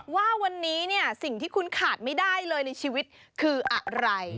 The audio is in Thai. ว่าวันนี้เนี่ยสิ่งที่คุณขาดไม่ได้เลยในชีวิตคืออะไร